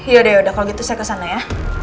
yaudah ya udah kalau gitu saya kesana ya